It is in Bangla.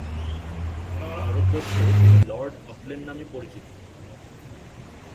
ভারতবর্ষে তিনি লর্ড অকল্যান্ড নামে সমধিক পরিচিত।